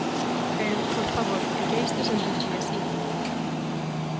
Pero, por favor, é que isto sempre foi así.